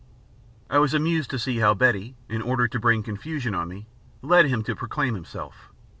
I was amused to see how Betty, in order to bring confusion on me, led him to proclaim himself.